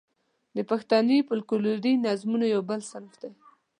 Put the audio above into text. د پښتني فوکلوري نظمونو یو بل صنف دی.